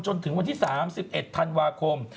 จนถึงวันที่๓๑ธันวาคม